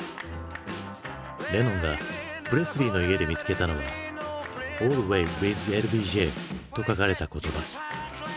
レノンがプレスリーの家で見つけたのは「ＡｌｌｗａｙｗｉｔｈＬＢＪ」と書かれた言葉。